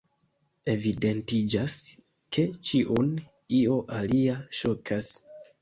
Evidentiĝas, ke ĉiun io alia ŝokas.